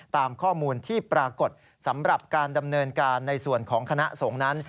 ตามข้อมูลที่ปรากฏสำหรับการดำเนินการในส่วนของคณะสงฆ์นั้น